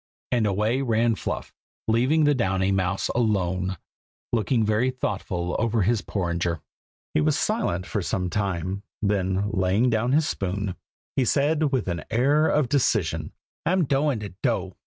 and away ran Fluff, leaving the Downy mouse alone, looking very thoughtful over his porringer. He was silent for some time; then laying down his spoon, he said with an air of decision, "I'm doin' to do!"